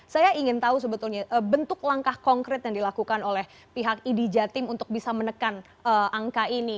saya ingin tahu sebetulnya bentuk langkah konkret yang dilakukan oleh pihak idi jatim untuk bisa menekan angka ini